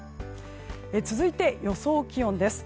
続いて、予想気温です。